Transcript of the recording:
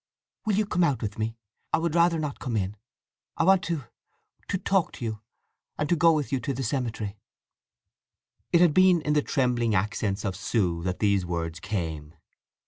"Will you come out with me? I would rather not come in. I want to—to talk with you—and to go with you to the cemetery." It had been in the trembling accents of Sue that these words came.